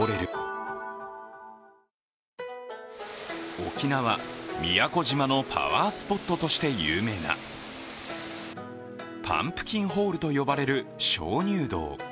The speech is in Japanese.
沖縄・宮古島のパワースポットとして有名なパンプキンホールと呼ばれる鍾乳洞。